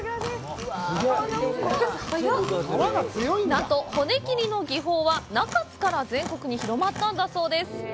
なんと骨切りの技法は中津から全国に広まったんだそうです。